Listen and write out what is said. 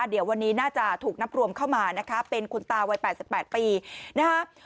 เดี๋ยววันนี้น่าจะถูกนับรวมเข้ามานะคะเป็นคุณตาวัย๘๘ปีนะคะ